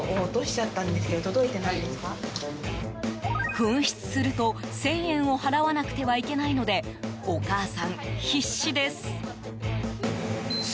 紛失すると１０００円を払わなくてはいけないのでお母さん、必死です。